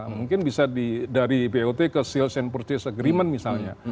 mungkin bisa dari bot ke sales and purchase agreement misalnya